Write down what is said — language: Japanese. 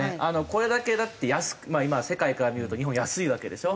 これだけだって安く今世界から見ると日本安いわけでしょ？